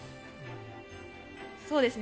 そうですね。